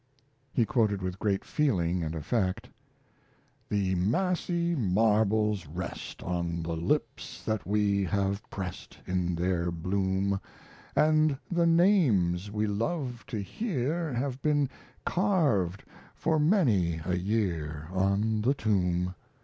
He quoted, with great feeling and effect: The massy marbles rest On the lips that we have pressed In their bloom, And the names we love to hear Have been carved for many a year On the tomb.